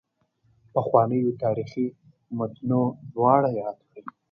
پخوانیو تاریخي متونو دواړه یاد کړي.